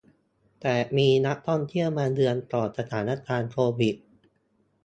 แต่มีนักท่องเที่ยวมาเยือนก่อนสถานการณ์โควิด